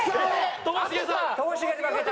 ともしげに負けた。